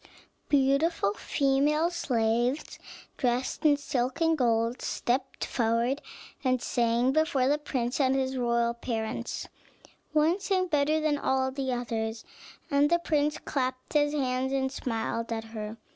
Beautiful female slaves, dressed in silk and gold, stepped forward and sang before the prince and his royal parents: one sang better than all the others, and the prince clapped his hands and smiled at her.